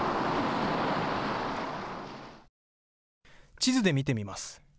地図で見てみます。